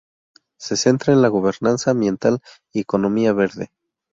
Se centra en la gobernanza ambiental y economía verde.